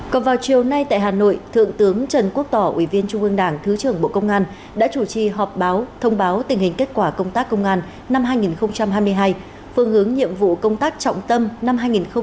còn vào chiều nay tại hà nội thượng tướng trần quốc tỏ ủy viên trung ương đảng thứ trưởng bộ công an đã chủ trì họp báo thông báo tình hình kết quả công tác công an năm hai nghìn hai mươi hai phương hướng nhiệm vụ công tác trọng tâm năm hai nghìn hai mươi bốn